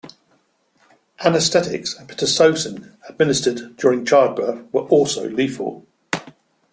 Anesthetics and pitocin administered during childbirth were also lethal.